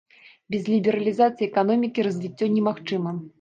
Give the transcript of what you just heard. Без лібералізацыі эканомікі развіццё немагчыма.